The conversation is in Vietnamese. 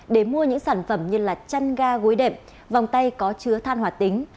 để mua những sản phẩm như chăn ga gối đệm vòng tay có chứa than hỏa tính